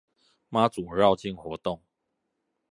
媽祖繞境活動